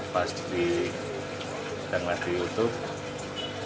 pasti kita lihat di youtube